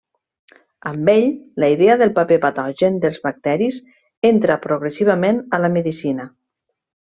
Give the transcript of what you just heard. Amb ell, la idea del paper patogen dels bacteris entra progressivament a la medecina.